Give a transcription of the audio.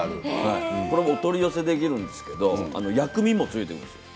お取り寄せできるんですけど薬味もついているんです。